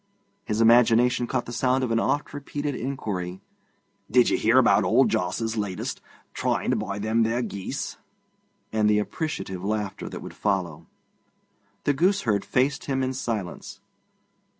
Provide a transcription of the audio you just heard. His imagination caught the sound of an oft repeated inquiry, 'Did ye hear about old Jos's latest trying to buy them there geese?' and the appreciative laughter that would follow. The gooseherd faced him in silence.